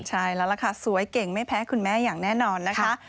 ใช่แล้วล่ะค่ะสวยเก่งไม่แพ้คุณแม่อย่างแน่นอนนะคะ